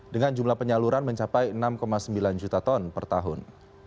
dengan jumlah penyaluran mencapai enam sembilan juta ton per tahun